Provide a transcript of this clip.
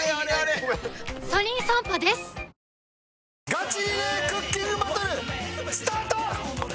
「ガチリレークッキングバトル」スタート！